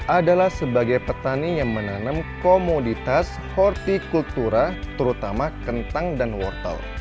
adalah sebagai petani yang menanam komoditas hortikultura terutama kentang dan wortel